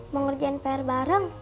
mengerjain pr bareng